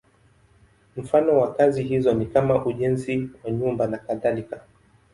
Mfano wa kazi hizo ni kama ujenzi wa nyumba nakadhalika.